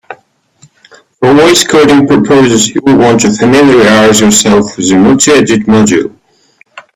For voice coding purposes, you'll want to familiarize yourself with the multiedit module.